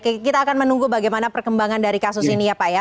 oke kita akan menunggu bagaimana perkembangan dari kasus ini ya pak ya